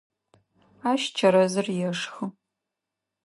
Ащ чэрэзыр ешхы.